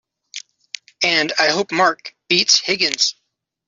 And I hope Mark beats Higgins!